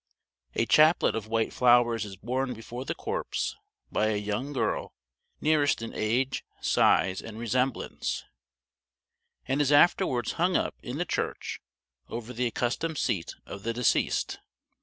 A chaplet of white flowers is borne before the corpse by a young girl nearest in age, size, and resemblance, and is afterwards hung up in the church over the accustomed seat of the deceased.